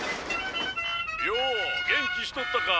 よお元気しとったか。